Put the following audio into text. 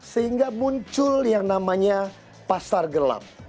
sehingga muncul yang namanya pasar gelap